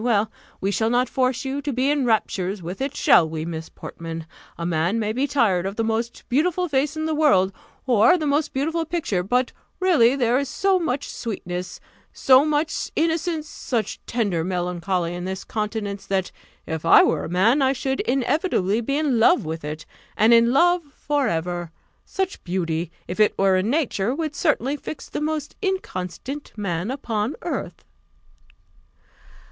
Well, we shall not force you to be in raptures with it shall we, Miss Portman? A man may be tired of the most beautiful face in the world, or the most beautiful picture; but really there is so much sweetness, so much innocence, such tender melancholy in this countenance, that, if I were a man, I should inevitably be in love with it, and in love for ever! Such beauty, if it were in nature, would certainly fix the most inconstant man upon earth."